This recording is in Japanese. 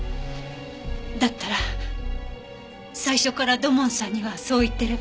だったら最初から土門さんにはそう言ってれば。